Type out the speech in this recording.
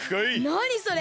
なにそれ！